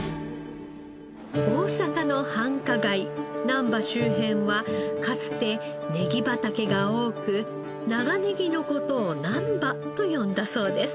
大阪の繁華街難波周辺はかつてネギ畑が多く長ネギの事を「なんば」と呼んだそうです。